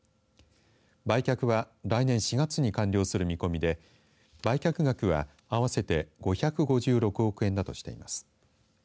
売却は来年４月に完了する見込みで売却額は、合わせて５５６億円だとしています。